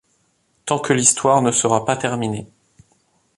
Tant que l'histoire ne sera pas terminée.